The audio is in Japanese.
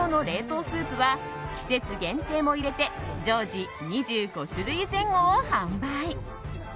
冷凍スープは季節限定も入れて常時２５種類前後を販売。